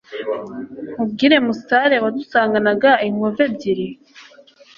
Nkubwire Musare wadusanganaga inkovu ebyiri